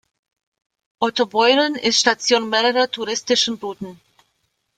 Ottobeuren ist Station mehrerer touristischen Routen.